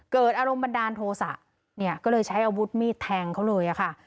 เกิดอารมณ์บันดาลโทษะเนี่ยก็เลยใช้อาวุธมีดแทงเขาเลยค่ะ